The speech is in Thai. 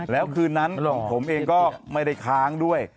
แล้วคืนนั้นผมเองก็ไม่ได้ค้างด้วย